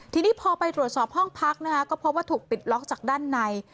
ทีนี้พอไปตรวจสอบห้องพักนะคะก็พบว่าถูกปิดล็อกจากด้านใน